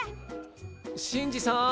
シンジさん！